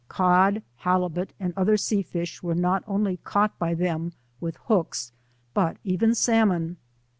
Cod, halibut, and other sea fish were not only caught by them with hooks, but even salmon.